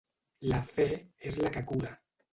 La fe és la que cura.